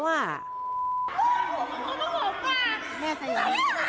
เศร้านกว่า